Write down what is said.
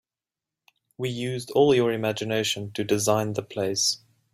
We used all your imgination to design the place.